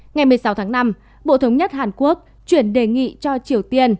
ngày một mươi sáu tháng năm bộ thống nhất hàn quốc chuyển đề nghị cho triều tiên